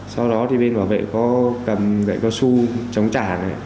sau đó thì bên bảo vệ có cầm gậy cao su chống trả